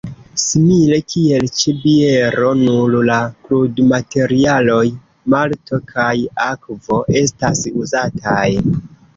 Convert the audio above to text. Simile kiel ĉe biero nur la krudmaterialoj malto kaj akvo estas uzataj.